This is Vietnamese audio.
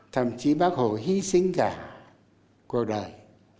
thậm chí bác hồ hy sinh cả cuộc đời